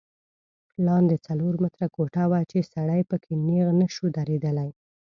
لاندې څلور متره کوټه وه چې سړی په کې نیغ نه شو درېدلی.